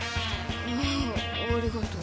ああありがとう。